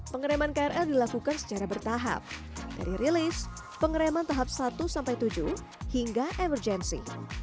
pengereman krl dilakukan secara bertahap dari release pengereman tahap satu tujuh hingga emergency